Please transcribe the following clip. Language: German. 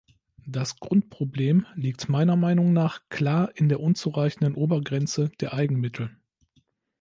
Das Grundproblem liegt meiner Meinung nach klar in der unzureichenden Obergrenze der Eigenmittel.